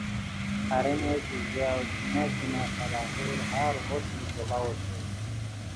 ہارینو کیژیبیاؤ کینہ کینہ قلاہور ہر و وݰکی لوڑاؤ اوشوئے